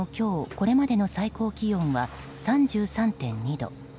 これまでの最高気温は３３．２度。